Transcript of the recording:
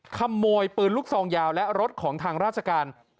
ขโมยปืนลูกซองยาวและรถของทางราชการ